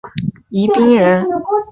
樊一蘅是宜宾人。